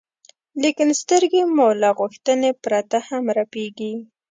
لیکن سترګې مو له غوښتنې پرته هم رپېږي.